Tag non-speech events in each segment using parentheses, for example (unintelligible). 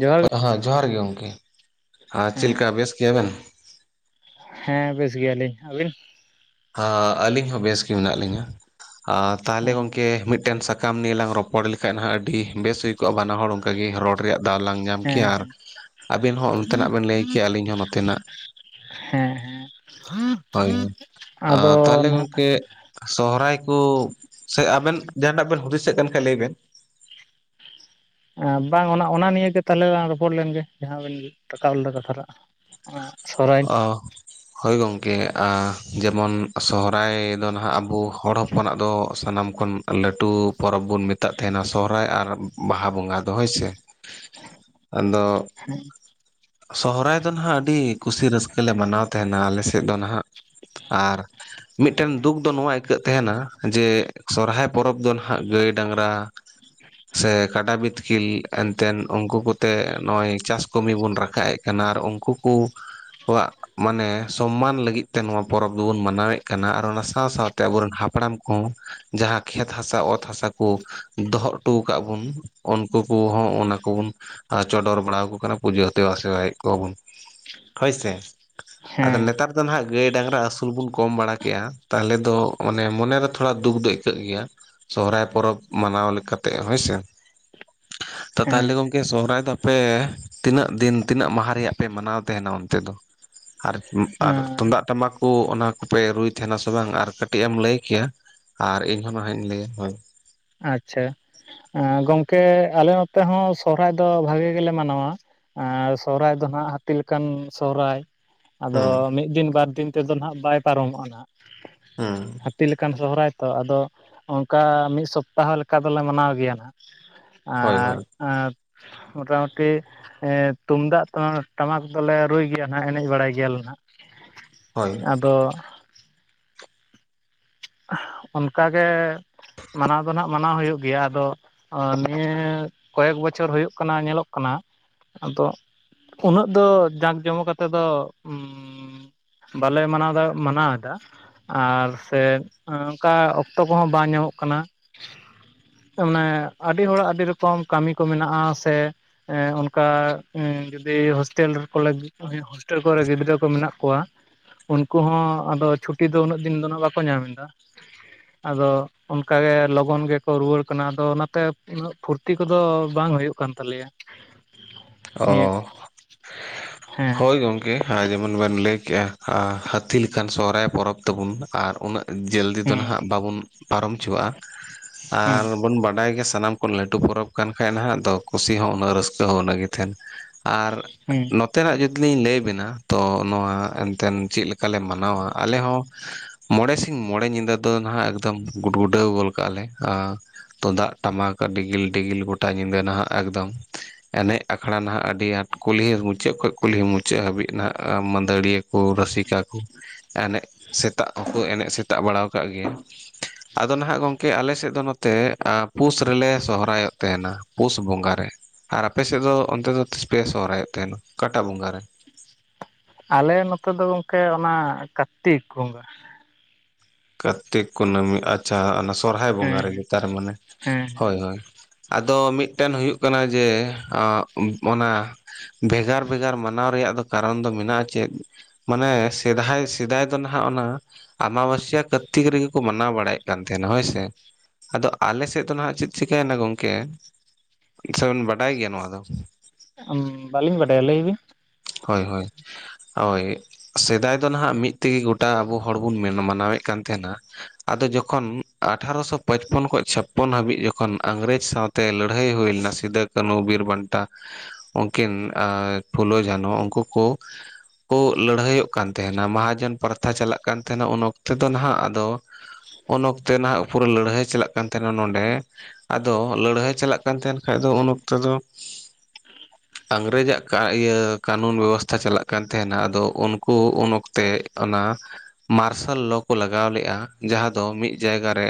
ᱡᱚᱦᱟᱨ ᱜᱮ ᱟᱦᱟ ᱡᱚᱦᱟᱨ ᱜᱮ ᱜᱚᱝᱠᱮ ᱟᱨ ᱪᱮᱫ ᱞᱮᱠᱟ ᱦᱮᱸ ᱵᱮᱥ ᱜᱮᱭᱟᱵᱮᱱ? ᱦᱮᱸ ᱵᱮᱥ ᱜᱮᱭᱟᱞᱤᱧ ᱟᱹᱵᱤᱱ? ᱟ ᱟᱹᱞᱤᱧ ᱦᱚᱸ ᱵᱮᱥ ᱜᱮ ᱢᱮᱱᱟᱜ ᱞᱤᱧᱟ ᱟᱨ ᱛᱟᱦᱞᱮ ᱦᱮᱸ ᱜᱚᱝᱠᱮ ᱢᱤᱫᱴᱮᱱ ᱠᱟᱢ ᱱᱤᱭᱮ ᱞᱟᱝ ᱨᱚᱯᱚᱲ ᱞᱮᱠᱷᱟᱡ ᱱᱟᱦᱟᱜ ᱟᱹᱰᱤ ᱵᱮᱥ ᱦᱩᱭ ᱠᱚᱜ-ᱟ ᱵᱟᱱᱟ ᱦᱚᱲ ᱚᱝᱠᱟ ᱜᱮ ᱨᱚᱲ ᱨᱮᱭᱟᱜ ᱫᱟᱣ ᱞᱟᱝ ᱧᱟᱢ ᱠᱮᱭᱟ ᱟᱨ ᱟᱹᱵᱤᱱ ᱦᱚᱸ ᱚᱱᱛᱮᱱᱟᱜ ᱵᱤᱱ ᱞᱟᱹᱭ ᱠᱮᱭᱟ ᱟᱹᱞᱤᱧ ᱦᱚᱸ ᱱᱚᱛᱮᱱᱟᱜ᱾ ᱦᱮᱸ ᱦᱳᱭ ᱦᱮᱸ ᱦᱳᱭ ᱟᱫᱚ ᱛᱟᱦᱚᱞᱮ ᱱᱦᱟᱜ ᱜᱚᱢᱠᱮ ᱥᱚᱦᱨᱟᱭ ᱠᱩ ᱥᱮ ᱟᱵᱮᱱ ᱡᱟᱦᱟᱸᱴᱟᱜ ᱵᱮᱱ ᱦᱩᱫᱤᱥᱮᱫ ᱠᱟᱱ ᱠᱷᱟᱡ ᱞᱟᱹᱭ ᱵᱮᱱ, ᱵᱟᱝ ᱚᱱᱟ ᱚᱱᱟ ᱱᱤᱭᱮ ᱜᱮ ᱛᱟᱦᱞᱮ ᱞᱟᱝ ᱨᱚᱯᱚᱲ ᱞᱮᱱᱜᱮ ᱡᱟᱦᱟᱸ ᱵᱤᱱ ᱨᱟᱠᱟᱵ ᱞᱮᱫᱟ ᱠᱟᱛᱷᱟ ᱴᱟᱜ᱾ ᱚᱱᱟ ᱥᱚᱨᱦᱟᱭ ᱚ ᱦᱳᱭ ᱜᱚᱝᱠᱮ ᱟ ᱡᱮᱢᱚᱱ ᱥᱚᱦᱨᱟᱭ ᱫᱚ ᱱᱦᱟᱜ ᱟᱵᱚ ᱦᱚᱲ ᱦᱚ ᱯᱚᱱᱟᱜ ᱫᱚ ᱥᱟᱱᱟᱢ ᱠᱷᱚᱱ ᱞᱟᱹᱴᱩ ᱯᱚᱨᱚᱵᱽ, ᱵᱚᱱ ᱢᱮᱛᱟᱜ ᱛᱟᱦᱮᱱᱟ, ᱥᱚᱦᱨᱟᱭ ᱟᱨ ᱵᱟᱦᱟ ᱵᱚᱸᱜᱟ ᱫᱚ ᱦᱳᱭ ᱥᱮ᱾ ᱟᱫᱚ ᱥᱚᱦᱨᱟᱭ ᱫᱚ ᱱᱦᱟᱜ ᱟᱹᱰᱤ ᱠᱩᱥᱤ ᱨᱟᱹᱥᱠᱟᱹ ᱞᱮ ᱢᱟᱱᱟᱣ ᱛᱮᱦᱮᱱᱟ ᱟᱞᱮ ᱥᱮᱫ ᱫᱚ ᱱᱟᱦᱟᱜ, ᱟᱨ ᱢᱤᱫᱴᱮᱱ ᱫᱩᱠ ᱫᱚ ᱱᱚᱣᱟ ᱟᱹᱭᱠᱟᱹᱜ ᱛᱮᱦᱮᱱᱟ, ᱡᱮ ᱥᱚᱨᱦᱟᱭ ᱯᱚᱨᱚᱵᱽ ᱫᱚ ᱱᱦᱟᱜ ᱜᱟᱹᱭ ᱰᱟᱝᱨᱟ ᱥᱮ ᱠᱟᱰᱟ ᱵᱤᱛᱠᱤᱞ ᱮᱱᱛᱮᱱ ᱩᱱᱠᱩ ᱠᱚᱛᱮ ᱱᱚᱜ-ᱚᱭ ᱪᱟᱥ ᱠᱟᱹᱢᱤ ᱵᱚᱱ ᱨᱟ ᱠᱟᱜ ᱮᱜ ᱠᱟᱱᱟ ᱟᱨ ᱩᱱᱠᱩ ᱠᱩ ᱠᱚᱣᱟᱜ ᱢᱟᱱᱮ, ᱥᱚᱢᱢᱟᱱ ᱞᱟᱹᱜᱤᱫ ᱛᱮ ᱱᱚᱣᱟ ᱯᱚᱨᱚᱵᱽ ᱫᱚᱵᱚᱱ ᱢᱟᱱᱟᱣᱮᱫ ᱠᱟᱱᱟ, ᱟᱨ ᱚᱱᱟ ᱥᱟᱶ ᱥᱟᱶᱛᱮ ᱛᱮ ᱟᱵᱚᱨᱮᱱ ᱦᱟᱯᱲᱟᱢ ᱠᱚ ᱡᱟᱦᱟᱸ ᱠᱷᱮᱛ ᱦᱟᱥᱟ, ᱚᱛ ᱦᱟᱥᱟ ᱠᱚ ᱫᱚᱦᱚ ᱚᱴᱚ ᱠᱟᱫ ᱵᱩᱱ ᱩᱱᱠᱩ ᱠᱚᱦᱚᱸ ᱚᱱᱟ ᱠᱚᱵᱩᱱ ᱪᱚᱰᱚᱨ ᱵᱟᱲᱟᱣ ᱠᱚ ᱠᱟᱱᱟ ᱯᱩᱡᱟᱹ ᱫᱮᱵᱟ ᱥᱮᱣᱟᱭᱮᱫ ᱠᱚᱣᱟᱵᱩᱱ᱾ ᱡᱳᱭ ᱥᱮ, ᱟᱫᱚ ᱦᱮᱸ ᱱᱮᱛᱟᱨ ᱫᱚ ᱱᱦᱟᱜ ᱜᱟᱹᱭ ᱰᱟᱝᱨᱟ ᱟᱹᱥᱩᱞ ᱵᱚᱱ ᱠᱚᱢ ᱵᱟᱲᱟ ᱠᱮᱜ-ᱟ, ᱛᱟᱦᱞᱮ ᱫᱚ ᱚᱱᱮ ᱢᱚᱱᱮᱨᱮ ᱛᱷᱚᱲᱟ ᱫᱩᱠ ᱫᱚ ᱟᱹᱭᱠᱟᱹᱜ ᱜᱮᱭᱟ᱾ ᱥᱚᱦᱨᱟᱭ ᱯᱚᱨᱚᱵᱽ ᱢᱟᱱᱟᱣ ᱞᱮᱠᱟᱛᱮ ᱦᱳᱭ ᱥᱮ᱾ ᱛᱚ ᱦᱮᱸ ᱛᱟᱦᱞᱮ ᱜᱚᱝᱠᱮ ᱥᱚᱦᱨᱟᱭ ᱫᱚ ᱟᱯᱮ ᱛᱤᱱᱟᱹᱜ ᱫᱤᱱ ᱛᱤᱱᱟᱹᱜ ᱢᱟᱦᱟ ᱨᱮᱭᱟᱜ ᱯᱮ ᱢᱟᱱᱟᱣ ᱛᱟᱦᱮᱱᱟ ᱚᱱᱛᱮ ᱫᱚ? ᱟᱨ ᱟᱨ ᱛᱩᱝᱫᱟᱜ ᱴᱟᱢᱟᱠ ᱠᱩ ᱚᱱᱟ ᱠᱚᱯᱮ ᱨᱩᱭ ᱛᱦᱮᱱᱟ ᱥᱮ ᱵᱟᱝ ᱟᱨ ᱠᱟᱹᱴᱤᱡ ᱮᱢ ᱞᱟᱹᱭ ᱠᱮᱭᱟ? ᱟᱨ ᱤᱧ ᱦᱚᱸ ᱱᱟᱦᱟᱜ ᱤᱧ ᱞᱟᱹᱭᱟ ᱦᱳᱭ ᱟᱪᱷᱟ ᱟ ᱜᱚᱝᱠᱮ ᱟᱞᱮ ᱱᱚᱛᱮ ᱦᱚᱸ ᱥᱚᱦᱨᱟᱭ ᱫᱚ ᱵᱷᱟᱜᱮ ᱜᱮᱞᱮ ᱢᱟᱱᱟᱣᱟ᱾ ᱮᱻ ᱥᱚᱦᱨᱟᱭ ᱫᱚ ᱦᱟᱸᱜ ᱦᱟᱹᱛᱤ ᱞᱮᱠᱟᱱ ᱥᱚᱦᱨᱟᱭ᱾ ᱟᱫᱚ ᱦᱩᱸ ᱢᱤᱫ ᱫᱤᱱ ᱵᱟᱨ ᱫᱤᱱ ᱛᱮᱫᱚ ᱱᱦᱟᱸᱜ ᱵᱟᱭ ᱯᱟᱨᱚᱢᱚᱜ-ᱟ ᱱᱟᱦᱟᱸᱜ᱾ ᱦᱩᱸ ᱛᱤ ᱞᱮᱠᱟᱱ ᱥᱚᱦᱨᱟᱭ ᱛᱚ ᱟᱫᱚ, ᱚᱱᱠᱟ ᱢᱤᱫ ᱥᱚᱯᱛᱟᱦᱚ ᱞᱮᱠᱟ ᱫᱚᱞᱮ ᱢᱟᱱᱟᱣ ᱜᱮᱭᱟ ᱱᱦᱟᱸᱜ᱾ ᱦᱳᱭ ᱟᱨ, ᱦᱳᱭ ᱟᱨ ᱢᱚᱴᱟᱢᱩᱴᱤ ᱮ ᱛᱩᱢᱫᱟᱜ ᱴᱟᱢ ᱴᱟᱢᱟᱠ ᱫᱚᱞᱮ ᱨᱩᱭ ᱜᱮᱭᱟᱭ ᱱᱦᱟᱸᱜ ᱮᱱᱮᱡ ᱵᱟᱲᱟᱭ ᱜᱮᱭᱟᱞᱮ ᱱᱦᱟᱸᱜ᱾ ᱦᱳᱭ ᱟᱫᱚ ᱚᱱᱠᱟ ᱜᱮ ᱢᱟᱱᱟᱣ ᱫᱚ ᱱᱦᱟᱸᱜ ᱢᱟᱱᱟᱣ ᱦᱩᱭᱩᱜ ᱜᱮᱭᱟ, ᱟᱫᱚ ᱚ ᱱᱤᱭᱟᱹ ᱠᱚᱭᱮᱠ ᱵᱚᱪᱷᱚᱨ ᱦᱩᱭᱩᱜ ᱠᱟᱱᱟ ᱧᱮᱞᱚᱜ ᱠᱟᱱᱟ, ᱟᱫᱚ ᱩᱱᱟᱹᱜ ᱫᱚ ᱡᱟᱸᱠ ᱡᱚᱢᱚᱠ ᱟᱛᱮᱫ ᱫᱚ ᱵᱟᱞᱮ ᱢᱟᱱᱟᱣ ᱫᱟ ᱢᱟᱱᱟᱣ ᱠᱟᱜ-ᱟ ᱟᱨ ᱥᱮ ᱚᱱᱠᱟ ᱚᱠᱛᱚ ᱠᱚᱦᱚᱸ ᱵᱟᱝ ᱧᱟᱢᱚᱜ ᱠᱟᱱᱟ᱾ ᱚᱱᱮ ᱟᱹᱰᱤ ᱦᱚᱲᱟᱜ ᱟᱹᱰᱤ ᱨᱚᱠᱚᱢ ᱠᱟᱹᱢᱤ ᱠᱚ ᱢᱮᱱᱟᱜ-ᱟ ᱥᱮ᱾ ᱦᱮᱸ ᱚᱱᱠᱟ ᱦᱩᱸ ᱡᱩᱫᱤ ᱦᱳᱥᱴᱮᱞ, ᱠᱚᱞᱮᱡ ᱦᱳᱥᱴᱮᱞ ᱠᱚᱨᱮ ᱜᱤᱫᱽᱨᱟᱹ ᱠᱚ ᱢᱮᱱᱟᱜ ᱠᱚᱣᱟ, ᱩᱱᱠᱩ ᱦᱚᱸ ᱟᱫᱚ ᱪᱷᱩᱴᱤ ᱫᱚ ᱩᱱᱟᱹᱜ ᱫᱤᱱ ᱫᱚ ᱦᱟᱸᱜ ᱵᱟᱠᱚ ᱧᱟᱢ ᱮᱫᱟ ᱾ ᱟᱫᱚ ᱚᱱᱠᱟᱜᱮ ᱞᱚᱜᱚᱱ ᱜᱮᱠᱚ ᱨᱩᱣᱟᱹᱲ ᱠᱟᱱᱟ, ᱟᱫᱚ ᱚᱱᱟᱛᱮ ᱩᱱᱟᱹᱜ ᱯᱷᱩᱨᱛᱤ ᱠᱚᱫᱚ ᱵᱟᱝ ᱦᱩᱭᱩᱜ ᱠᱟᱱ ᱛᱟᱞᱮᱭᱟ ᱾ ᱚ (unintelligible) ᱦᱳᱭ ᱜᱚᱝᱠᱮ ᱾ (unintelligible) ᱡᱮᱢᱚᱱ ᱵᱮᱱ ᱞᱟᱹᱭ ᱠᱮᱜᱼᱟ᱾ ᱦᱟ ᱦᱟᱹᱛᱤ ᱞᱮᱠᱟᱱ ᱥᱚᱦᱨᱟᱭ ᱯᱚᱨᱚᱵᱽ ᱛᱟᱵᱚᱱ, ᱟᱨ ᱩᱱᱟᱹᱜ ᱡᱟᱹᱞᱫᱤ ᱫᱚ ᱦᱮᱸ ᱱᱟᱦᱟᱜ ᱵᱟᱵᱚᱱ ᱯᱟᱨᱚᱢ ᱪᱩᱣᱟ-ᱟ᱾ ᱦᱮᱸ ᱟᱨ ᱵᱚᱱ ᱵᱟᱰᱟᱭ ᱜᱮᱭᱟ ᱥᱟᱱᱟᱢ ᱠᱷᱚᱱ ᱞᱟᱹᱴᱩ ᱯᱚᱨᱚᱵᱽ ᱠᱟᱱ ᱠᱷᱟᱡ ᱱᱟᱦᱟᱜ ᱠᱩᱥᱤ ᱦᱚᱸ ᱩᱱᱟᱹᱜ ᱨᱟᱹᱥᱠᱟᱹ ᱦᱚᱸ ᱩᱱᱟᱹᱜ ᱜᱮ ᱛᱟᱦᱮᱱ ᱾ ᱟᱨ ᱦᱩᱸ᱾ ᱱᱚᱛᱮᱱᱟᱜ ᱡᱩᱫᱤ ᱞᱤᱧ ᱞᱟᱹᱭ ᱵᱤᱱᱟ ᱛᱚ ᱱᱚᱣᱟ ᱮᱱᱛᱮᱱ ᱪᱮᱫ ᱞᱮᱠᱟ ᱞᱮ ᱢᱟᱱᱟᱣᱟ? ᱟᱞᱮ ᱦᱚᱸ ᱢᱚᱬᱮ ᱥᱤᱧ ᱢᱚᱬᱮ ᱧᱤᱫᱟᱹ ᱫᱚ ᱱᱟᱦᱟᱜ ᱮᱠᱫᱚᱢ ᱜᱩᱰᱜᱩᱰᱟᱹᱣ ᱜᱚᱫ ᱠᱟᱜ-ᱟ ᱞᱮ᱾ ᱛᱩᱢᱫᱟᱜ ᱴᱟᱢᱟᱠ ᱰᱤᱜᱤᱞ ᱰᱤᱜᱤᱞ ᱜᱚᱴᱟ ᱧᱤᱫᱟᱹ ᱱᱟᱦᱟᱜ ᱮᱠᱫᱚᱢ ᱾ ᱮᱱᱮᱡ ᱟᱠᱷᱲᱟ ᱱᱟᱦᱟᱜ ᱟᱹᱰᱤ ᱟᱸᱴ ᱠᱩᱞᱦᱤ (inaudible) ᱢᱩᱪᱟᱹᱫ ᱠᱷᱚᱱ ᱠᱩᱞᱦᱤ ᱢᱩᱪᱟᱹᱫ ᱦᱟᱹᱵᱤᱡ ᱱᱟᱦᱟᱜ ᱢᱟᱹᱫᱟᱹᱲᱤᱭᱟᱹ ᱠᱚ, ᱨᱟᱹᱥᱤᱠᱟ ᱠᱚ ᱮᱱᱮᱡ ᱥᱮᱛᱟᱜ ᱦᱚᱸᱠᱚ ᱮᱱᱮᱡ ᱥᱮᱛᱟᱜ ᱵᱟᱲᱟ ᱟᱠᱟᱜ ᱜᱮᱭᱟ ᱾ (unintelligible) ᱟᱫᱚ ᱱᱟᱦᱟᱜ ᱜᱚᱝᱠᱮ ᱟᱞᱮ ᱥᱮᱫ ᱫᱚ ᱱᱚᱛᱮ ᱯᱩᱥ ᱨᱮᱞᱮ ᱥᱚᱦᱨᱟᱭᱚᱜ ᱛᱟᱦᱮᱱᱟ, ᱯᱩᱥ ᱵᱚᱸᱜᱟ ᱨᱮ ᱾ ᱟᱨ ᱟᱯᱮ ᱥᱮᱫ ᱫᱚ ᱚᱱᱛᱮ ᱫᱚ ᱛᱤᱥ ᱯᱮ ᱥᱚᱦᱨᱟᱭᱚᱜ ᱛᱟᱦᱮᱱᱟ ᱚᱠᱟᱴᱟ ᱵᱚᱸᱜᱟ ᱨᱮ? ᱟᱞᱮ ᱱᱚᱛᱮ ᱫᱚ ᱜᱚᱢᱠᱮ ᱚᱱᱟ ᱠᱟᱨᱛᱤᱠ ᱵᱚᱸᱜᱟ ᱾ ᱠᱟᱨᱛᱤᱠ ᱠᱩᱱᱟᱹᱢᱤ ᱟᱪᱪᱷᱟ ᱚᱱᱟ ᱥᱚᱨᱦᱟᱭ ᱵᱚᱸᱜᱟ ᱨᱮᱜᱮ ᱦᱮᱸ ᱛᱟᱨ ᱢᱟᱱᱮ᱾ ᱦᱮᱸ ᱦᱳᱭ ᱦᱳᱭ ᱟᱫᱚ ᱢᱤᱫᱴᱮᱱ ᱦᱩᱭᱩᱜ ᱠᱟᱱᱟ ᱡᱮ ᱚᱱᱟ ᱵᱷᱮᱜᱟᱨ ᱵᱷᱮᱜᱟᱨ ᱢᱟᱱᱟᱣ ᱨᱮᱭᱟᱜ ᱫᱚ ᱠᱟᱨᱚᱱ ᱫᱚ ᱢᱮᱱᱟᱜ-ᱟ ᱪᱮᱫ ᱢᱟᱱᱮ ᱥᱮᱫᱟᱭ ᱥᱮᱫᱟᱭ ᱫᱚ ᱱᱟᱦᱟᱜ, ᱚᱱᱟ ᱟᱢᱟᱵᱥᱭᱟᱹ ᱠᱟᱨᱛᱤᱠ ᱨᱮᱜᱮ ᱠᱚ ᱢᱟᱱᱟᱣ ᱵᱟᱲᱟᱭᱮᱫ ᱠᱟᱱ ᱛᱟᱦᱮᱱᱟ ᱦᱳᱭᱥᱮ᱾ ᱟᱫᱚ ᱟᱞᱮ ᱥᱮᱫ ᱫᱚ ᱱᱟᱜ ᱪᱮᱫ ᱪᱤᱠᱟᱹᱭᱮᱱᱟ ᱜᱚᱝᱠᱮ ᱥᱮᱵᱤᱱ ᱵᱟᱰᱟᱭ ᱜᱮᱭᱟ ᱱᱚᱣᱟ ᱫᱚ? ᱵᱟᱹᱞᱤᱧ ᱵᱟᱰᱟᱭ-ᱟ ᱞᱟᱹᱭ ᱵᱤᱱ ᱦᱳᱭ ᱦᱳᱭ᱾ ᱦᱳᱭ ᱥᱮᱫᱟᱭ ᱫᱚ ᱱᱟᱦᱟᱜ ᱢᱤᱫ ᱛᱮᱜᱮ ᱜᱚᱴᱟ ᱟᱵᱚ ᱦᱚᱲ ᱵᱚᱱ ᱢᱟᱱᱟᱣᱮᱫ ᱠᱟᱱ ᱛᱟᱦᱮᱱᱟ ᱾ ᱟᱫᱚ ᱡᱚᱠᱷᱚᱱ ᱟᱴᱷᱟᱨᱚᱥᱚ ᱯᱚᱪᱯᱚᱱ ᱠᱷᱚᱱ ᱪᱷᱟᱯᱯᱚᱱ ᱦᱟᱹᱵᱤᱡ ᱡᱚᱠᱷᱚᱱ ᱤᱝᱨᱮᱡᱽ ᱥᱟᱶ ᱛᱮ ᱞᱟᱹᱲᱦᱟᱹᱭ ᱦᱩᱭ ᱞᱮᱱᱟ, ᱥᱤᱫᱩ ᱠᱟᱹᱱᱩ ᱵᱤᱨ ᱵᱟᱱᱴᱟ ᱩᱱᱠᱤᱱ ᱟᱨ ᱯᱷᱩᱞᱳ ᱡᱷᱟᱱᱚ ᱩᱱᱠᱩ ᱠᱚ ᱠᱚ ᱞᱟᱹᱲᱦᱟᱹᱭᱚᱜ ᱠᱟᱱ ᱛᱟᱦᱮᱱᱟ᱾ ᱢᱟᱦᱟᱡᱚᱱ ᱯᱨᱛᱷᱟ ᱪᱟᱞᱟᱜ ᱠᱟᱱ ᱛᱟᱦᱮᱱᱟ ᱩᱱ ᱚᱠᱛᱮ ᱫᱚ ᱱᱟᱦᱟᱜ, ᱟᱫᱚ ᱩᱱ ᱚᱠᱛᱮ ᱱᱟᱦᱟᱜ ᱯᱩᱨᱟᱹ ᱞᱟᱹᱲᱦᱟᱹᱭ ᱪᱟᱞᱟᱜ ᱠᱟᱱ ᱛᱟᱦᱮᱱᱟ ᱱᱚᱰᱮ ᱟᱫᱚ ᱞᱟᱹᱲᱦᱟᱹᱭ ᱪᱟᱞᱟᱜ ᱠᱟᱱ ᱛᱟᱦᱮᱱ ᱠᱷᱟᱡ ᱫᱚ ᱩᱱ ᱚᱠᱛᱚ ᱫᱚ ᱤᱝᱨᱮᱡ ᱟᱜ ᱤᱭᱟᱹ ᱠᱟᱱᱩᱱ ᱵᱮᱵᱚᱥᱛᱷᱟ ᱪᱟᱞᱟᱜ ᱠᱟᱱ ᱛᱟᱦᱮᱱᱟ ᱟᱫᱚ ᱩᱱᱠᱩ ᱩᱱ ᱚᱠᱛᱮ ᱚᱱᱟ ᱢᱟᱨᱥᱟᱞ ᱞᱚ ᱠᱚ ᱞᱟᱜᱟᱣ ᱞᱮᱫ-ᱟ ᱡᱟᱦᱟᱸ ᱫᱚ ᱢᱤᱫ ᱡᱟᱭᱜᱟ ᱨᱮ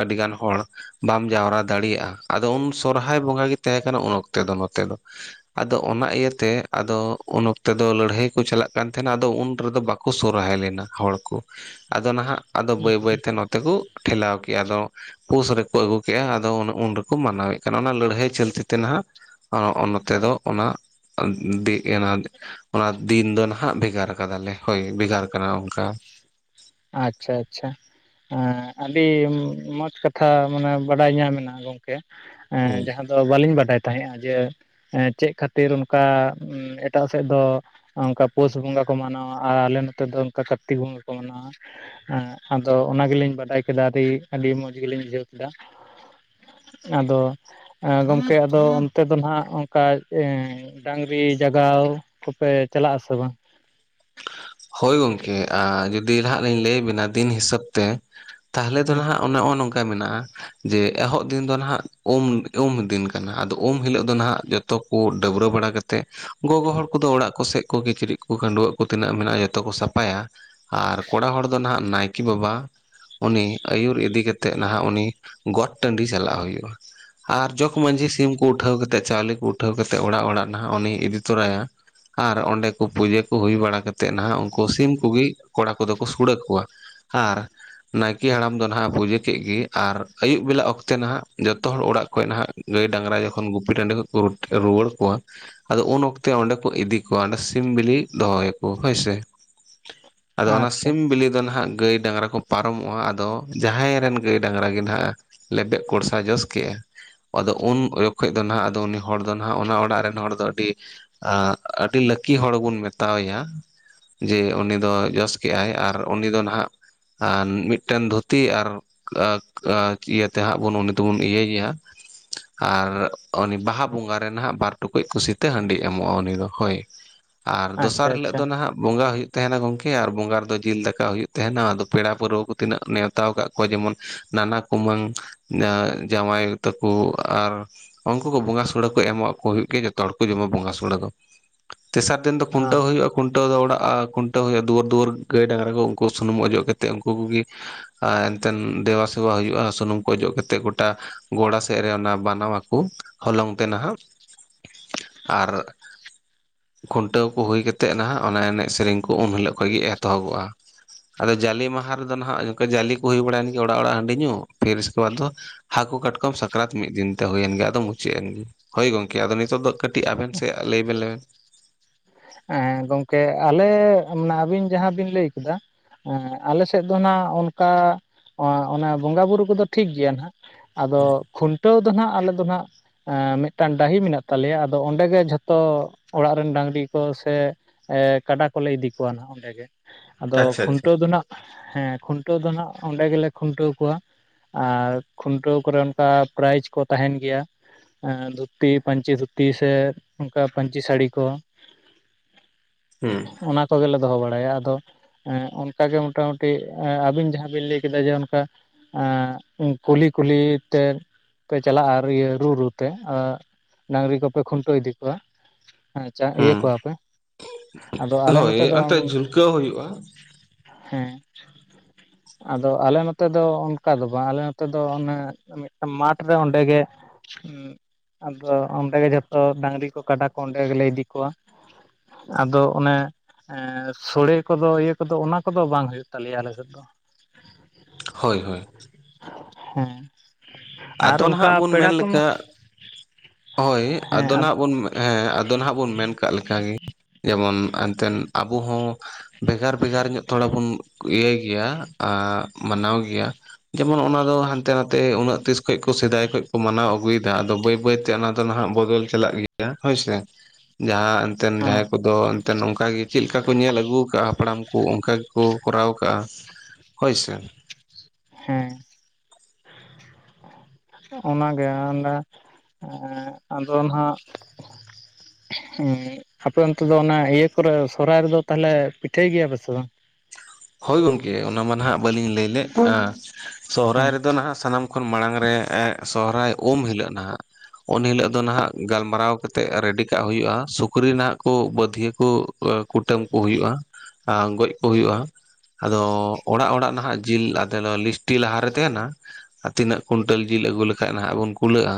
ᱟᱹᱰᱤᱜᱟᱱ ᱦᱚᱲ ᱵᱟᱢ ᱡᱟᱣᱨᱟ ᱫᱟᱲᱮᱭᱟᱜ-ᱟ ᱟᱫᱚ ᱩᱱ ᱥᱚᱨᱚᱦᱟᱭ ᱵᱚᱸᱜᱟ ᱜᱮ ᱛᱟᱦᱮᱸ ᱠᱟᱱᱟ ᱩᱱ ᱚᱠᱛᱚ ᱫᱚ ᱱᱚᱛᱮ ᱫᱚ᱾ ᱟᱫᱚ ᱚᱱᱟ ᱤᱭᱟᱹᱛᱮ ᱟᱫᱚ ᱩᱱ ᱚᱠᱛᱮ ᱫᱚ ᱞᱟᱹᱲᱦᱟᱹᱭ ᱠᱚ ᱪᱟᱞᱟᱜ ᱠᱟᱱ ᱛᱟᱦᱮᱸᱱᱟ ᱟᱫᱚ ᱩᱱ ᱨᱮᱫᱚ ᱵᱟᱠᱚ ᱥᱚᱨᱚᱨᱟᱭ ᱞᱮᱱᱟ ᱦᱚᱲ ᱠᱚ ᱾ ᱟᱫᱚ ᱱᱟᱦᱟᱜ ᱟᱫᱚ ᱵᱟᱹᱭ ᱵᱟᱹᱭᱛᱮ ᱱᱚᱛᱮ ᱠᱚ ᱴᱷᱮᱞᱟᱣ ᱠᱮᱜ-ᱟ, ᱟᱫᱚ ᱯᱩᱥ ᱨᱮᱠᱚ ᱟᱹᱜᱩ ᱠᱮᱜ-ᱟ ᱟᱫᱚ ᱩᱱ, ᱩᱱ ᱨᱮᱠᱚ ᱢᱟᱱᱟᱣᱮᱜ ᱠᱟᱱᱟ᱾ ᱚᱱᱟ ᱞᱟᱹᱲᱦᱟᱹᱭ ᱪᱚᱞᱛᱤᱛᱮ ᱱᱟᱦᱟᱜ᱾ ᱟᱜ ᱱᱚᱛᱮ ᱫᱚ ᱚᱱᱟ ᱫᱤ ᱚᱱᱟ, ᱚᱱᱟ ᱫᱤᱱ ᱫᱚ ᱱᱟᱦᱟᱜ ᱵᱷᱮᱜᱟᱨ ᱠᱟᱫᱟᱞᱮ᱾ ᱦᱳᱭ, ᱵᱷᱮᱜᱟᱨ ᱠᱟᱱᱟ ᱚᱱᱠᱟ᱾ ᱟᱪᱪᱷᱟ ᱟᱪᱪᱷᱟ᱾ ᱦᱮᱸ ᱟᱹᱰᱤ ᱢᱚᱡᱽ ᱠᱟᱛᱷᱟ ᱢᱟᱱᱮ ᱵᱟᱰᱟᱭ ᱧᱟᱢᱮᱱᱟ ᱜᱚᱝᱠᱮ᱾ ᱦᱮᱸ ᱡᱟᱦᱟᱸ ᱫᱚ ᱵᱟᱹᱞᱤᱧ ᱵᱟᱰᱟᱭ ᱛᱟᱦᱮᱸᱜ-ᱟ ᱡᱮ, ᱦᱮᱸ, ᱪᱮᱫ ᱠᱷᱟᱹᱛᱤᱨ ᱚᱱᱠᱟ ᱮᱴᱟᱜ ᱥᱮᱫ ᱫᱚ ᱚᱱᱠᱟ ᱯᱩᱥ ᱵᱚᱸᱜᱟ ᱠᱚ ᱢᱟᱱᱟᱣᱟ ᱟᱨ ᱟᱞᱮ ᱱᱚᱛᱮ ᱫᱚ ᱚᱱᱠᱟ ᱠᱟᱨᱛᱤᱠ ᱵᱚᱸᱜᱟ ᱠᱚ ᱢᱟᱱᱟᱣᱟ᱾ ᱮᱸᱜ, ᱟᱫᱚ ᱚᱱᱟ ᱜᱮᱞᱤᱧ ᱵᱟᱰᱟᱭ ᱠᱮᱫᱟ ᱫᱤ, ᱟᱹᱰᱤ ᱢᱚᱸᱡᱽ ᱜᱮᱞᱤᱧ ᱵᱩᱡᱷᱟᱹᱣ ᱠᱮᱫᱟ᱾ ᱟᱫᱚ ᱮᱸ ᱜᱚᱝᱠᱮ ᱟᱫᱚ ᱚᱱᱛᱮ ᱫᱚ ᱱᱟᱜ ᱚᱱᱠᱟ ᱮᱹᱻ ᱰᱟᱝᱨᱤ ᱡᱟᱜᱟᱣ ᱠᱚᱯᱮ ᱪᱟᱞᱟᱜ-ᱟ ᱥᱮ ᱵᱟᱝ? ᱦᱳᱭ ᱜᱚᱝᱠᱮ ᱟᱻ ᱡᱩᱫᱤ ᱱᱟᱦᱟᱜ ᱞᱤᱧ ᱞᱟᱹᱭ ᱟᱵᱤᱱᱟ ᱫᱤᱱ ᱦᱤᱥᱟᱹᱵ ᱛᱮ, ᱛᱟᱦᱞᱮ ᱫᱚ ᱦᱮᱸ ᱱᱟᱦᱟᱜ ᱱᱚᱜ-ᱚ ᱱᱚᱝᱠᱟ ᱢᱮᱱᱟᱜ-ᱟ᱾ ᱡᱮ ᱮᱦᱚᱵ ᱫᱤᱱ ᱫᱚ ᱱᱟᱦᱟᱜ ᱩᱢ, ᱩᱢ ᱫᱤᱱ ᱠᱟᱱᱟ᱾ ᱟᱫᱚ ᱩᱢ ᱦᱤᱞᱳᱜ ᱫᱚ ᱱᱟᱦᱟᱜ ᱡᱚᱛ ᱡᱚᱛᱚ ᱠᱚ ᱰᱟᱹᱵᱨᱟᱹ ᱵᱟᱲᱟ ᱠᱟᱛᱮᱫ ᱜᱚᱜᱚ ᱦᱚᱲ ᱠᱚᱫᱚ ᱚᱲᱟᱜ ᱠᱚ ᱥᱮᱫ ᱠᱚ ᱠᱤᱪᱨᱤᱡ ᱠᱚ, ᱠᱷᱟᱺᱰᱩᱣᱟᱹᱜ ᱠᱚ ᱛᱤᱱᱟᱹᱜ ᱢᱮᱱᱟᱜ-ᱟ ᱡᱚᱛ ᱡᱚᱛᱚ ᱠᱚ ᱥᱟᱯᱷᱟᱭᱟ, ᱟᱨ ᱠᱚᱲᱟ ᱦᱚᱲ ᱫᱚ ᱱᱟᱦᱟᱜ ᱱᱟᱭᱠᱮ ᱵᱟᱵᱟ, ᱩᱱᱤ ᱟᱹᱭᱩᱨ ᱤᱫᱤ ᱠᱟᱛᱮᱫ ᱱᱟᱦᱟᱜ ᱩᱱᱤ ᱜᱚᱴ ᱴᱟᱺᱰᱤ ᱪᱟᱞᱟᱜ ᱦᱩᱭᱩᱜ-ᱟ᱾ ᱟᱨ ᱡᱚᱜᱽ ᱢᱟᱹᱡᱷᱤ ᱥᱤᱢ ᱠᱚ ᱩᱴᱷᱟᱹᱣ ᱠᱟᱛᱮᱫ, ᱪᱟᱣᱞᱮ ᱠᱚ ᱩᱴᱷᱟᱹᱣ ᱠᱟᱛᱮᱫ ᱚᱲᱟᱜ ᱚᱲᱟᱜ ᱱᱟᱜ ᱩᱱᱤᱭ ᱤᱫᱤ ᱛᱚᱨᱟᱭᱟ᱾ ᱟᱨ ᱚᱸᱰᱮ ᱠᱚ ᱯᱩᱡᱟᱹ ᱠᱚ ᱦᱩᱭ ᱵᱟᱲᱟ ᱠᱟᱛᱮᱫ ᱱᱟᱦᱟᱜ ᱩᱱᱠᱩ ᱥᱤᱢ ᱠᱚᱜᱮ ᱠᱚᱲᱟ ᱠᱚᱫᱚ ᱠᱚ ᱥᱩᱲᱟᱹ ᱠᱚᱣᱟ, ᱟᱨ ᱱᱟᱭᱠᱮ ᱦᱟᱲᱟᱢ ᱫᱚ ᱱᱟᱦᱟᱜ ᱯᱩᱡᱟᱹ ᱠᱮᱫ ᱜᱮ ᱟᱨ ᱟᱹᱭᱩᱵ ᱵᱮᱞᱟ ᱚᱠᱛᱮ ᱱᱟᱦᱟᱜ ᱡᱚᱛᱚ ᱦᱚᱲ ᱚᱲᱟᱜ ᱠᱷᱚᱱ ᱱᱟᱦᱟᱜ ᱜᱟᱹᱭ ᱰᱟᱝᱨᱟ ᱡᱚᱠᱷᱚᱱ ᱜᱩᱯᱤ ᱴᱟᱺᱰᱤ ᱠᱷᱚᱡ ᱠᱚ ᱨᱩᱣᱟᱹᱲ ᱠᱚᱣᱟ ᱟᱫᱚ ᱩᱱ ᱚᱠᱛᱮ ᱚᱸᱰᱮ ᱠᱚ ᱤᱫᱤ ᱠᱚᱣᱟ ᱚᱰᱮ ᱥᱤᱢ ᱵᱤᱞᱤ ᱫᱚᱦᱚᱭᱟ ᱠᱚ ᱦᱳᱭᱥᱮ᱾ ᱟᱫᱚ ᱚᱱᱟ ᱟᱪᱪᱷᱟ ᱥᱤᱢ ᱵᱤᱞᱤ ᱫᱚ ᱱᱟᱦᱜ ᱜᱟᱹᱭ ᱰᱟᱝᱨᱟ ᱠᱚ ᱯᱟᱨᱚᱢᱚᱜ-ᱟ ᱟᱫᱚ ᱡᱟᱦᱟᱸᱭ ᱨᱮᱱ ᱜᱟᱹᱭ ᱰᱟᱝᱨᱟ ᱜᱮ ᱱᱟᱦᱟᱜ ᱞᱮᱵᱮᱫ ᱠᱚᱲᱥᱟ ᱡᱚᱥ ᱠᱮᱜ ᱟᱫᱚ ᱩᱱ ᱠᱷᱚᱡ ᱫᱚ ᱱᱟᱦᱟᱜ ᱟᱫᱚ ᱩᱱᱤ ᱦᱚᱲ ᱫᱚ ᱱᱟᱦᱟᱜ ᱚᱱᱟ ᱚᱲᱟᱜ ᱨᱮᱱ ᱦᱚᱲ ᱫᱚ ᱟᱹᱰᱤ ᱟᱸᱜ, ᱟᱹᱰᱤ ᱞᱟᱹᱠᱤ ᱦᱚᱲ ᱵᱚᱱ ᱢᱮᱛᱟᱣᱟᱭᱟ᱾ ᱡᱮ ᱩᱱᱤ ᱫᱚ ᱡᱚᱥ ᱠᱮᱜ-ᱟᱭ ᱟᱨ ᱩᱱᱤ ᱫᱚ ᱱᱟᱦᱟᱜ ᱢᱤᱫᱴᱮᱱ ᱫᱷᱩᱛᱤ ᱟᱨ ᱟᱡ, ᱟᱠ ᱤᱭᱟᱹᱛᱮ ᱦᱟᱸᱜ ᱵᱚᱱ ᱩᱱᱤ ᱫᱚᱵᱚᱱ ᱤᱭᱟᱹᱭᱮᱭᱟ᱾ ᱟᱨ ᱩᱱᱤ ᱵᱟᱦᱟ ᱵᱚᱸᱜᱟᱨᱮ ᱱᱟᱦᱟᱜ ᱵᱟᱨ ᱴᱩᱠᱩᱡ ᱠᱩᱥᱤᱛᱮ ᱦᱟᱺᱰᱤ ᱮᱢᱚᱜ-ᱟ ᱩᱱᱤ ᱫᱚ ᱦᱳᱭ᱾ (inaudible) ᱟᱨ ᱟᱪᱪᱷᱟ ᱫᱚᱥᱟᱨ ᱦᱤᱞᱳᱜ ᱟᱪᱪᱷᱟ ᱫᱚ ᱱᱟᱦᱟᱜ ᱵᱚᱸᱜᱟ ᱦᱩᱭᱩᱜ ᱛᱮᱸᱦᱮᱱᱟ ᱜᱚᱝᱠᱮ ᱟᱨ ᱵᱚᱸᱜᱟ ᱨᱮᱫᱚ ᱡᱤᱞ ᱫᱟᱠᱟ ᱦᱩᱭᱩᱜ ᱛᱮᱸᱦᱮᱱᱟ᱾ ᱟᱫᱚ ᱯᱮᱲᱟ ᱯᱟᱹᱨᱣᱟᱹ ᱠᱚ ᱛᱤᱱᱟᱹᱜ ᱱᱮᱣ ᱦᱟᱛᱟᱣ ᱠᱟᱜ ᱠᱚᱣᱟ ᱡᱮᱢᱚᱱ ᱱᱟᱱᱟ ᱠᱩᱢᱟᱹᱝ, ᱮᱸ ᱡᱟᱶᱟᱭ ᱛᱟᱠᱚ ᱟᱨ ᱩᱱᱠᱩ ᱠᱚ ᱵᱚᱸᱜᱟ ᱥᱩᱲᱟᱹ ᱠᱚ ᱮᱢᱚᱜ ᱠᱚ ᱦᱩᱭᱩᱜ ᱜᱮ ᱡᱚᱛᱚ ᱦᱚᱲ ᱠᱚ ᱡᱚᱢᱟ ᱵᱚᱸᱜᱟ ᱥᱩᱲᱟᱹ ᱫᱚ᱾ ᱛᱮᱥᱟᱨ ᱫᱤᱱ ᱫᱚ ᱚ ᱠᱷᱩᱱᱴᱟᱹᱣ ᱦᱩᱭᱩᱜ-ᱟ᱾ ᱴᱟᱹᱣ ᱚᱲᱟᱜ ᱟᱻ ᱠᱷᱩᱱᱴᱟᱹᱣ ᱦᱩᱭᱩᱜ-ᱟ ᱫᱩᱣᱟᱹᱨ ᱫᱩᱣᱟᱹᱨ ᱜᱟᱹᱭ ᱰᱟᱝᱨᱟ ᱠᱚ ᱩᱝᱠᱩ ᱥᱩᱱᱩᱢ ᱚᱡᱚᱜ ᱠᱟᱛᱮᱜ ᱩᱜᱠᱩ ᱠᱚᱜᱮ ᱟᱨ ᱮᱱᱛᱮᱱ ᱫᱮᱵᱟᱥᱮᱵᱟ ᱦᱩᱭᱩᱜ-ᱟ ᱥᱩᱱᱩᱢ ᱠᱚ ᱚᱡᱚᱜ ᱠᱟᱛᱮᱫ ᱜᱚᱴᱟ᱾ ᱜᱚᱲᱟ ᱥᱮᱜ ᱨᱮ ᱚᱱᱟ ᱵᱟᱱᱟᱣᱟᱠᱚ ᱦᱚᱞᱚᱝ ᱛᱮ ᱱᱟᱦᱟᱜ᱾ ᱟᱨ ᱠᱷᱩᱱᱴᱟᱹᱣ ᱠᱚ ᱦᱩᱭ ᱠᱟᱛᱮᱜ ᱱᱟᱦᱟᱜ ᱚᱱᱟ ᱮᱱᱮᱡ ᱥᱮᱨᱮᱧ ᱠᱚ ᱩᱱ ᱦᱤᱞᱳᱜ ᱠᱷᱚᱡ ᱜᱮ ᱮᱛᱚᱦᱚᱵᱚᱜ-ᱟ᱾ ᱟᱫᱚ ᱡᱟᱞᱤ ᱢᱟᱦᱟ ᱨᱮᱫᱚ ᱱᱟᱜ ᱱᱚᱝᱠᱟ ᱡᱟᱞᱤ ᱠᱚ ᱦᱩᱭ ᱵᱟᱲᱟᱭᱮᱱ ᱜᱮ ᱚᱲᱟᱜ ᱚᱲᱟᱜ ᱦᱟᱺᱰᱤ ᱧᱩ, ᱯᱷᱤᱨ ᱤᱥᱠᱮ ᱵᱟᱫᱽ ᱫᱚ ᱦᱟᱹᱠᱩ ᱠᱟᱴᱠᱚᱢ ᱥᱟᱠᱨᱟᱛ ᱢᱤᱫ ᱫᱤᱱᱛᱮ ᱦᱩᱭᱮᱱ ᱜᱮ, ᱟᱫᱚ ᱢᱩᱪᱟᱹᱫ ᱮᱱᱜᱮ᱾ ᱦᱳᱭ ᱜᱚᱝᱠᱮ ᱟᱫᱚ ᱱᱤᱛᱳᱜ ᱫᱚ ᱠᱟᱹᱴᱤᱡ ᱟᱵᱮᱱ ᱥᱮᱫ ᱟᱜ ᱞᱟᱹᱭᱵᱮᱱ ᱞᱟᱹᱭᱵᱮᱱ᱾ ᱦᱮᱸ ᱜᱚᱝᱠᱮ ᱟᱞᱮ ᱢᱟ, ᱟᱵᱤᱱ ᱡᱟᱦᱟᱸ ᱵᱤᱱ ᱞᱟᱹᱭ ᱠᱮᱫᱟ ᱮᱸ ᱟᱞᱮ ᱥᱮᱫ ᱫᱚ ᱱᱟᱸᱜ ᱚᱱᱠᱟ ᱚᱸ ᱚᱱᱮ ᱵᱚᱸᱜᱟᱼᱵᱩᱨᱩ ᱠᱚᱫᱚ ᱴᱷᱤᱠ ᱜᱮᱭᱟ ᱱᱟᱦᱟᱜ ᱾ ᱟᱫᱚ ᱠᱷᱩᱱᱴᱟᱹᱣ ᱫᱚ ᱱᱟᱜ ᱟᱞᱮ ᱫᱚ ᱱᱟᱦᱟᱜ ᱮᱸᱻ ᱢᱤᱫᱴᱟᱝ ᱰᱟᱹᱦᱤ ᱢᱮᱱᱟᱜ ᱛᱟᱞᱮᱭᱟ ᱟᱫᱚ ᱚᱸᱰᱮ ᱜᱮ ᱡᱷᱚᱛᱚ ᱚᱲᱟᱜ ᱨᱮᱱ ᱰᱟᱝᱨᱤ ᱠᱚ ᱥᱮ ᱮ ᱠᱟᱰᱟ ᱠᱚᱞᱮ ᱤᱫᱤ ᱠᱚᱣᱟ ᱱᱟᱦᱟᱜ ᱚᱸᱰᱮ ᱜᱮ, ᱟᱫᱚ ᱟᱪᱪᱷᱟ ᱟᱪᱪᱷᱟ ᱠᱷᱩᱱᱴᱟᱹᱣ ᱫᱚ ᱱᱟᱜ ᱦᱮᱸ ᱠᱷᱩᱱᱴᱟᱹᱣ ᱫᱚ ᱱᱟᱜ ᱚᱸᱰᱮ ᱜᱮᱞᱮ ᱠᱷᱩᱱᱴᱟᱹᱣ ᱠᱚᱣᱟ᱾ ᱟᱨ ᱠᱷᱩᱱᱴᱟᱹᱣ ᱠᱚᱨᱮ ᱚᱱᱠᱟ ᱯᱨᱟᱭᱤᱡᱽ ᱠᱚ ᱛᱟᱦᱮᱱ ᱜᱮᱭᱟ᱾ ᱮᱸ ᱫᱷᱩᱛᱤ ᱯᱟᱹᱧᱪᱤ ᱫᱷᱩᱛᱤ ᱥᱮ ᱚᱝᱠᱟ ᱯᱟᱹᱧᱪᱤ ᱥᱟᱹᱲᱤ ᱠᱚ ᱾ ᱦᱮᱸ ᱾ ᱚᱱᱟ ᱠᱚᱜᱮᱞᱮ ᱫᱚᱦᱚ ᱵᱟᱲᱟᱭᱟ, ᱟᱫᱚ ᱮᱸ ᱚᱱᱠᱟᱜᱮ ᱢᱚᱴᱟᱢᱩᱴᱤ ᱮ ᱟᱵᱤᱱ ᱡᱟᱦᱟᱸ ᱵᱤᱱ ᱞᱟᱹᱭ ᱠᱮᱫᱟ ᱡᱮ ᱚᱱᱠᱟ ᱮ ᱠᱩᱞᱦᱤ ᱠᱩᱞᱦᱤ ᱛᱮ ᱯᱮ ᱪᱟᱞᱟᱜᱼᱟ ᱤᱭᱟᱹ ᱨᱩ ᱨᱩᱛᱮ ᱟᱸ ᱰᱟᱹᱝᱨᱤ ᱠᱚᱯᱮ ᱠᱷᱩᱱᱴᱟᱹᱣ ᱤᱫᱤ ᱠᱚᱣᱟ ᱾ ᱪᱟ ᱤᱭᱟᱹ ᱦᱩᱸ ᱠᱚᱣᱟᱯᱮ, ᱟᱫᱚ ᱟᱞᱮ ᱦᱳᱭ ᱱᱚᱛᱮ ᱫᱚ ᱮᱱᱛᱮᱫ ᱡᱷᱩᱞᱠᱟᱹᱣ ᱦᱩᱭᱩᱜᱼᱟ ᱦᱮᱸ, ᱟᱫᱚ ᱟᱞᱮ ᱱᱚᱛᱮ ᱫᱚ ᱚᱱᱠᱟ ᱫᱚ ᱵᱟᱝ ᱟᱞᱮ ᱱᱚᱛᱮ ᱫᱚ ᱚᱱᱮ ᱢᱤᱫᱴᱟ ᱢᱟᱴ ᱨᱮ ᱚᱸᱰᱮ ᱜᱮ ᱦᱩᱸ, ᱟᱫᱚ ᱚᱸᱰᱮ ᱜᱮ ᱡᱷᱚᱛᱚ ᱰᱟᱝᱨᱤ ᱠᱚ ᱠᱟᱰᱟ ᱠᱚ ᱚᱸᱰᱮ ᱜᱮᱞᱮ ᱤᱫᱤ ᱠᱚᱣᱟ᱾ ᱟᱫᱚ ᱚᱱᱮ ᱮ ᱥᱚᱲᱮ ᱠᱚᱫᱚ ᱤᱭᱟᱹ ᱠᱚᱫᱚ ᱚᱱᱟ ᱠᱚᱫᱚ ᱵᱟᱝ ᱦᱩᱭᱩᱜ ᱛᱟᱞᱮᱭᱟ ᱟᱞᱮ ᱥᱮᱫ ᱫᱚ ᱾ ᱦᱳᱭ ᱦᱳᱭ ᱾ ᱦᱮᱸ, ᱟᱨ ᱟᱫᱚ ᱚᱱᱠᱟ ᱱᱟᱦᱟᱜ ᱵᱚᱱ ᱯᱮᱲᱟ ᱢᱮᱱ ᱠᱚᱢᱟ ᱞᱮᱠᱟ ᱦᱳᱭ, ᱟᱫᱚ ᱱᱟᱦᱟᱜ ᱵᱚᱱ ᱦᱮᱸ ᱟᱫᱚ ᱱᱟᱦᱟᱜ ᱵᱚᱱ ᱢᱮᱱ ᱠᱟᱜ ᱞᱮᱠᱟᱜᱮ ᱡᱮᱢᱚᱱ ᱛᱮᱱ ᱟᱵᱚ ᱦᱚᱸ ᱵᱷᱮᱜᱟᱨ ᱵᱷᱮᱜᱟᱨ ᱧᱚᱜ ᱛᱷᱚᱲᱟ ᱵᱚᱱ ᱤᱭᱟᱹᱭ ᱜᱮᱭᱟ ᱟ ᱢᱟᱱᱟᱣ ᱜᱮᱭᱟ, ᱡᱮᱢᱚᱱ ᱚᱱᱟ ᱫᱚ ᱦᱟᱱᱛᱮ ᱱᱟᱛᱮ ᱩᱱᱟᱹᱜ ᱛᱤᱥ ᱠᱷᱚᱡ ᱠᱚ ᱥᱮᱫᱟᱭ ᱠᱷᱚᱡ ᱠᱚ ᱢᱟᱱᱟᱣ ᱟᱹᱜᱩᱭᱮᱫᱟ, ᱟᱫᱚ ᱵᱟᱹᱭ ᱵᱟᱹᱭ ᱚᱱᱟ ᱫᱚ ᱱᱟᱦᱟᱜ ᱵᱚᱫᱚᱞ ᱪᱟᱞᱟᱜ ᱜᱮᱭᱟ ᱦᱳᱭᱥᱮ ᱾ ᱡᱟᱦᱟᱸ ᱮᱱᱛᱮᱱ ᱦᱮᱸ ᱡᱟᱦᱟᱸᱭ ᱠᱚ ᱫᱚ ᱮᱱᱛᱮᱱ ᱚᱝᱠᱟᱜᱮ ᱪᱮᱫ ᱞᱮᱠᱟ ᱠᱚ ᱧᱮᱞ ᱟᱹᱜᱩ ᱟᱠᱟᱜᱼᱟ ᱦᱟᱯᱲᱟᱢ ᱠᱚ ᱚᱱᱠᱟ ᱜᱮᱠᱚ ᱠᱚᱨᱟᱣ ᱟᱠᱟᱜᱼᱟ᱾ ᱦᱳᱭ ᱥᱮ ᱾ ᱦᱮᱸ ᱾ ᱚᱱᱟᱜᱮ ᱮᱸᱰᱮ ᱟᱫᱚ ᱦᱟᱱᱟᱜ ᱦᱩᱸ, ᱦᱟᱯᱮ ᱚᱱᱛᱮ ᱫᱚ ᱚᱱᱟ ᱤᱭᱟᱹ ᱠᱚᱨᱮ ᱥᱚᱨᱚᱦᱟᱭ ᱨᱮᱫᱚ ᱛᱟᱦᱞᱮ ᱯᱤᱴᱷᱟᱹᱭ ᱜᱮᱭᱟ ᱯᱮᱥᱮ ᱵᱟᱝ? ᱦᱳᱭ ᱜᱚᱝᱠᱮ ᱚᱱᱟ ᱢᱟ ᱱᱟᱦᱟᱜ ᱵᱟᱹᱞᱤᱧ ᱞᱟᱹᱭ ᱞᱮᱜ ᱟ ᱥᱚᱦᱨᱟᱭ ᱦᱮᱸ ᱨᱮᱫᱚ ᱱᱟᱦᱟᱜ ᱥᱟᱱᱟᱢ ᱠᱷᱚᱱ ᱢᱟᱲᱟᱝ ᱨᱮ ᱮᱜ ᱥᱚᱦᱨᱟᱭ ᱩᱢ ᱦᱤᱞᱳᱜ ᱱᱟᱦᱟᱜ ᱩᱱ ᱦᱤᱞᱚᱜ ᱫᱚ ᱱᱟᱦᱟᱜ ᱜᱟᱞᱢᱟᱨᱟᱣ ᱠᱟᱛᱮᱜ ᱨᱮᱰᱤ ᱠᱟᱜ ᱦᱩᱭᱩᱜᱼᱟ ᱥᱩᱠᱨᱤ ᱱᱟᱦᱟᱜ ᱠᱚ ᱵᱟᱹᱫᱷᱤᱭᱟᱹ ᱠᱚ ᱠᱩᱴᱟᱹᱢ ᱠᱚ ᱦᱩᱭᱩᱜᱼᱟ ᱟ ᱜᱚᱡ ᱠᱚ ᱦᱩᱭᱩᱜᱼᱟ᱾ ᱟᱫᱚ ᱚᱲᱟᱜ ᱚᱲᱟᱜ ᱱᱟᱦᱟᱜ ᱡᱤᱞ ᱟᱫᱚᱞᱮ ᱞᱤᱥᱴᱤ ᱞᱟᱦᱟ ᱨᱮ ᱛᱟᱦᱮᱱᱟ, ᱟᱨ ᱛᱤᱱᱟᱹᱜ ᱠᱩᱭᱱᱴᱟᱞ ᱡᱤᱞ ᱟᱹᱜᱩ ᱞᱮᱠᱷᱟᱡ ᱱᱟᱦᱟᱜ ᱵᱚᱱ ᱠᱩᱞᱟᱹᱜᱼᱟ?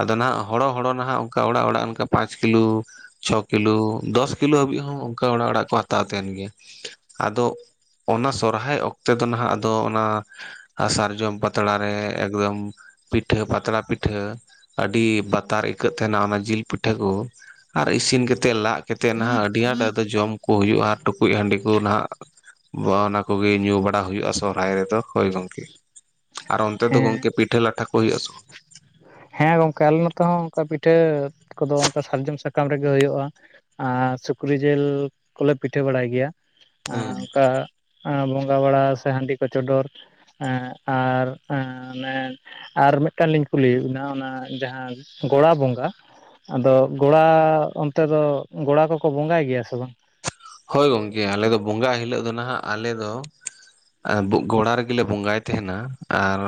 ᱟᱫᱚ ᱱᱟᱦᱟᱜ ᱦᱚᱲᱚ ᱦᱚᱲᱚ ᱱᱟᱦᱟᱜ ᱚᱱᱠᱟ ᱚᱲᱟᱜ ᱚᱲᱟᱜ ᱚᱱᱠᱟ ᱯᱟᱸᱪ ᱠᱤᱞᱳ, ᱪᱷᱚ ᱠᱤᱞᱳ, ᱫᱚᱥ ᱠᱤᱞᱳ ᱦᱟᱹᱵᱤᱡ ᱦᱚᱸ ᱚᱝᱠᱟ ᱚᱲᱟᱜ ᱚᱲᱟᱜ ᱠᱚ ᱦᱟᱛᱟᱣ ᱛᱟᱦᱮᱱ ᱜᱮᱭᱟ ᱾ ᱟᱫᱚ ᱚᱱᱟ ᱥᱚᱨᱦᱟᱭ ᱚᱠᱛᱮ ᱫᱚ ᱱᱟᱦᱟᱜ ᱟᱫᱚ ᱚᱱᱟ ᱥᱟᱨᱡᱚᱢ ᱯᱟᱛᱲᱟ ᱨᱮ ᱮᱠᱫᱚᱢ ᱯᱤᱴᱷᱟᱹ ᱯᱟᱛᱲᱟ ᱯᱤᱴᱷᱟᱹ ᱟᱹᱰᱤ ᱵᱟᱛᱟᱨ ᱤᱠᱟᱹᱜ ᱛᱟᱦᱮᱱᱟ ᱚᱱᱟ ᱡᱤᱞ ᱯᱤᱴᱷᱟᱹ ᱠᱚ ᱾ ᱟᱨ ᱤᱥᱤᱱ ᱠᱟᱛᱮᱫ ᱞᱟᱜ ᱠᱟᱛᱮᱫ ᱱᱟᱦᱟᱜ ᱟᱹᱰᱤ ᱟᱸᱴ ᱟᱫᱚ ᱡᱚᱢ ᱠᱚ ᱦᱩᱭᱩᱜᱼᱟ ᱴᱩᱠᱩᱡ ᱦᱟᱺᱰᱤ ᱠᱚ ᱱᱟᱦᱟᱜ ᱵᱟᱣ ᱚᱱᱟ ᱠᱚᱜᱮ ᱧᱩ ᱵᱟᱲᱟ ᱦᱩᱭᱩᱜᱼᱟ ᱥᱚᱦᱨᱟᱭ ᱨᱮᱫᱚ ᱦᱳᱭ ᱜᱚᱝᱠᱮ, ᱟᱨ ᱚᱱᱛᱮ ᱫᱚ ᱦᱮᱸ ᱜᱚᱝᱠᱮ ᱯᱤᱴᱟᱹ ᱞᱟᱴᱷᱟ ᱠᱚ ᱦᱩᱭᱩᱜᱼᱟ ᱥᱮ ᱵᱟ? ᱦᱮᱸ ᱜᱚᱝᱠᱮ ᱟᱞᱮ ᱱᱚᱛᱮ ᱦᱚᱸ ᱚᱱᱠᱟ ᱯᱤᱴᱷᱟᱹ ᱠᱚᱫᱚ ᱚᱱᱠᱟ ᱥᱟᱨᱡᱚᱢ ᱥᱟᱠᱟᱢ ᱨᱮᱜᱮ ᱦᱳᱭᱳᱜᱼᱟ ᱾ ᱟᱨ ᱥᱩᱠᱨᱤ ᱡᱮᱞ ᱠᱚᱞᱮ ᱯᱤᱴᱷᱟᱹ ᱵᱟᱲᱟᱭ ᱜᱮᱭᱟ ᱟᱸ ᱵᱟᱝ ᱚᱝᱠᱟ ᱮᱸ ᱵᱚᱸᱜᱟ ᱵᱟᱲᱟ ᱥᱮ ᱦᱟᱺᱰᱤ ᱠᱚ ᱪᱚᱰᱚᱨ ᱦᱮᱸ ᱟᱨ ᱮᱸ ᱚᱱᱮ ᱟᱨ ᱢᱤᱫᱴᱟᱝ ᱞᱤᱧ ᱠᱩᱞᱤᱭᱮᱫ ᱵᱤᱱᱟ? ᱦᱮᱸ ᱚᱱᱟ ᱡᱟᱦᱟᱸ ᱜᱚᱲᱟ ᱵᱚᱸᱜᱟ᱾ ᱟᱫᱚ ᱜᱚᱲᱟ ᱚᱱᱛᱮ ᱫᱚ ᱜᱚᱲᱟ ᱠᱚᱠᱚ ᱵᱚᱸᱜᱟᱭ ᱜᱮᱭᱟ ᱥᱮ ᱵᱟᱝ? ᱦᱳᱭ ᱜᱚᱢᱠᱮ ᱟᱞᱮ ᱫᱚ ᱵᱚᱸᱜᱟ ᱦᱤᱞᱚᱜ ᱫᱚ ᱱᱟᱦᱟᱜ ᱟᱞᱮ ᱫᱚ ᱮᱸ ᱵᱩᱜ ᱜᱚᱲᱟ ᱨᱮᱜᱮ ᱞᱮ ᱵᱚᱸᱜᱟᱭ ᱛᱟᱦᱮᱱᱟ ᱟᱨ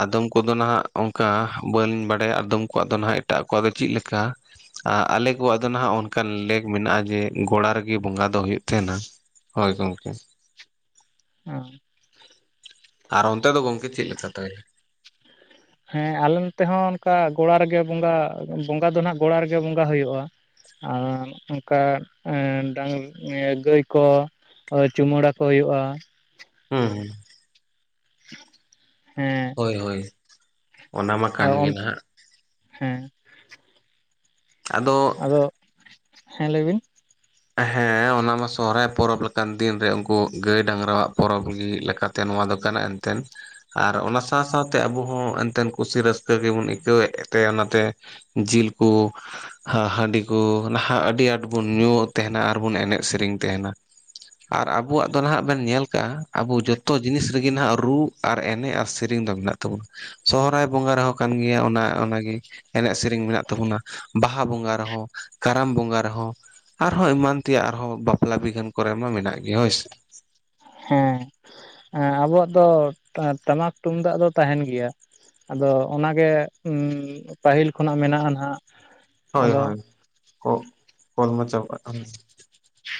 ᱟᱫᱚᱢ ᱠᱚᱫᱚ ᱱᱟᱦᱟᱸᱜ ᱚᱱᱠᱟ ᱵᱟᱝ ᱞᱤᱧ ᱵᱟᱲᱟᱭᱟ ᱟᱫᱚᱢ ᱠᱚᱣᱟᱜ ᱫᱚ ᱱᱟᱦᱟᱸᱜ ᱮᱴᱟᱜ ᱠᱚᱣᱟᱜ ᱫᱚ ᱪᱮᱫ ᱞᱮᱠᱟ? ᱟ ᱟᱞᱮ ᱠᱚᱣᱟᱜ ᱫᱚ ᱱᱟᱦᱟᱸᱜ ᱚᱱᱠᱟ ᱞᱮᱠ ᱢᱮᱱᱟᱜᱼᱟ ᱡᱮ ᱜᱲᱟ ᱨᱮᱜᱮ ᱵᱚᱸᱜᱟ ᱫᱚ ᱦᱩᱭᱩᱜ ᱛᱟᱦᱮᱸᱱᱟ ᱦᱚᱭ ᱜᱚᱝᱠᱮ (unintelligible) ᱟᱨ ᱚᱱᱛᱮ ᱫᱚ ᱜᱚᱝᱠᱮ ᱪᱮᱫ ᱞᱮᱠᱟ ᱛᱟᱭᱞᱮ (unintelligible) ᱦᱮᱸ ᱟᱞᱮ ᱱᱚᱛᱮ ᱦᱚᱸ ᱚᱱᱠᱟ ᱜᱚᱲᱟ ᱨᱮᱜᱮ ᱵᱚᱸᱜᱟ ᱵᱚᱸᱜᱟ ᱫᱚ ᱱᱟᱦᱟᱸᱜ ᱜᱚᱲᱟ ᱨᱮᱜᱮ ᱵᱚᱸᱜᱟ ᱦᱩᱭᱩᱜᱼᱟ᱾ ᱟᱨ ᱚᱱᱠᱟ ᱮᱸ ᱰᱟᱝ ᱜᱟᱹᱭ ᱠᱚ ᱦᱚᱭ ᱪᱩᱢᱟᱹᱲᱟ ᱠᱚ ᱦᱩᱭᱩᱜᱼᱟ᱾ ᱩᱸᱦᱩᱸ (unintelligible) ᱦᱮᱸ ᱦᱳᱭ ᱦᱳᱭ ᱚᱱᱟ ᱢᱟ ᱠᱟᱱ ᱜᱮ ᱱᱟᱦᱟᱜ ᱦᱮᱸ ᱟᱫᱚ ᱟᱫᱚ ᱦᱮᱸ ᱞᱟᱹᱭ ᱵᱤᱱ ᱦᱮᱸ ᱚᱱᱟᱢᱟ ᱥᱚᱦᱨᱟᱭ ᱯᱚᱨᱚᱵᱽ ᱞᱮᱠᱟᱱ ᱫᱤᱱ ᱨᱮ ᱩᱱᱠᱩ ᱜᱟᱹᱭ ᱰᱟᱝᱨᱟᱣᱟᱜ ᱯᱚᱨᱚᱵᱽ ᱜᱤ ᱞᱟᱠᱟᱫ ᱛᱮ ᱱᱚᱣᱟ ᱫᱚ ᱠᱟᱱᱟ ᱮᱱᱛᱮᱱ ᱟᱨ ᱚᱱᱟ ᱥᱟᱶ ᱥᱟᱶ ᱛᱮ ᱟᱵᱚ ᱦᱚᱸ ᱮᱱᱛᱮᱱ ᱠᱩᱥᱤ ᱨᱟᱹᱥᱠᱟᱹ ᱜᱮᱵᱚᱱ ᱟᱹᱭᱠᱟᱹᱣᱮᱫ ᱛᱮ ᱚᱱᱟ ᱛᱮ ᱡᱤᱞ ᱠᱚ ᱦᱟ ᱦᱟᱺᱰᱤ ᱠᱚ ᱱᱟᱦᱟᱜ ᱟᱹᱰᱤ ᱟᱸᱴ ᱵᱩᱱ ᱧᱩ ᱛᱮᱦᱮᱱᱟ ᱟᱨ ᱵᱚᱱ ᱮᱱᱮᱡ ᱥᱤᱨᱤᱧ ᱛᱟᱦᱮᱱᱟ᱾ ᱟᱨ ᱟᱵᱚᱣᱟᱜ ᱫᱚ ᱱᱟᱦᱟᱜ ᱵᱮᱱ ᱧᱮᱞ ᱠᱟᱜᱼᱟ᱾ ᱟᱵᱚ ᱡᱚᱛᱚ ᱡᱤᱱᱤᱥ ᱨᱤᱜᱤ ᱱᱟᱦᱟᱜ ᱨᱩ ᱟᱨ ᱮᱱᱮᱡ ᱟᱨ ᱥᱮᱨᱮᱧ ᱫᱚ ᱢᱮᱱᱟᱜ ᱛᱟᱵᱚᱱ ᱥᱚᱦᱨᱟᱭ ᱵᱚᱸᱜᱟ ᱨᱮᱦᱚᱸ ᱠᱟᱱ ᱜᱮᱭᱟ ᱚᱱᱟ ᱚᱱᱟᱜᱮ ᱮᱱᱮᱡ ᱥᱤᱨᱤᱧ ᱢᱮᱱᱟᱜ ᱛᱟᱵᱚᱱᱟ ᱵᱟᱦᱟ ᱵᱚᱸᱜᱟ ᱨᱮᱦᱚᱸ ᱠᱟᱨᱟᱢ ᱵᱚᱸᱜᱟ ᱨᱮᱦᱚᱸ ᱟᱨᱦᱚᱸ ᱮᱢᱟᱱ ᱛᱮᱭᱟᱜ ᱟᱨᱦᱚᱸ ᱵᱟᱯᱞᱟ ᱵᱤᱜᱷᱟᱹᱱ ᱠᱚᱨᱮ ᱢᱟ ᱢᱮᱱᱟᱜ ᱜᱮ ᱦᱳᱭ ᱥᱮ ᱦᱮᱸ ᱮᱸ ᱟᱵᱚᱣᱟᱜ ᱫᱚ ᱴᱟᱢᱟᱠ ᱛᱩᱢᱫᱟᱜ ᱫᱚ ᱛᱟᱦᱮᱱ ᱜᱮᱭᱟ᱾ ᱟᱫᱚ ᱚᱱᱟᱜᱮ ᱩᱸ ᱯᱟᱹᱦᱤᱞ ᱠᱷᱚᱱᱟᱜ ᱢᱮᱱᱟᱜᱼᱟ ᱱᱟᱦᱟᱜ ᱦᱳᱭ ᱟᱫᱚ ᱦᱳᱭ ᱚ ᱠᱚᱞ ᱢᱟ ᱪᱟᱵᱟ (unintelligible)